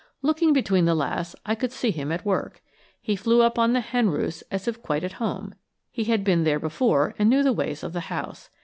Looking between the laths, I could see him at work. He flew up on the hen roosts as if quite at home; he had been there before and knew the ways of the house.